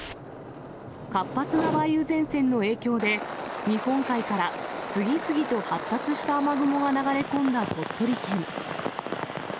活発な梅雨前線の影響で、日本海から次々と発達した雨雲が流れ込んだ鳥取県。